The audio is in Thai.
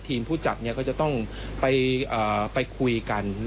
ผู้จัดก็จะต้องไปคุยกัน